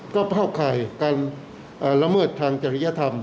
ก็เผ่าไขการละเมิดทางจริยธรรม